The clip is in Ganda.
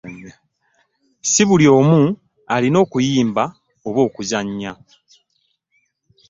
Si buli omu alina okuyimba oba okuzannya.